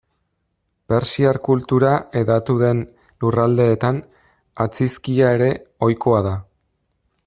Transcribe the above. Persiar kultura hedatu den lurraldeetan atzizkia ere ohikoa da.